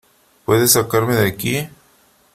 Puedes sacarme de aquí .